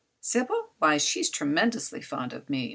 "Sybil? Why, she's tremendously fond of me.